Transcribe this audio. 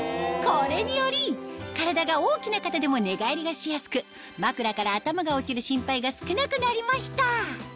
これにより体が大きな方でも寝返りがしやすくまくらから頭が落ちる心配が少なくなりました